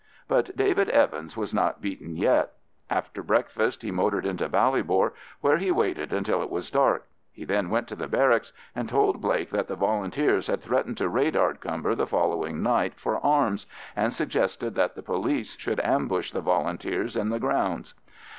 But David Evans was not beaten yet. After breakfast he motored into Ballybor, where he waited until it was dark. He then went to the barracks, and told Blake that the Volunteers had threatened to raid Ardcumber the following night for arms, and suggested that the police should ambush the Volunteers in the grounds.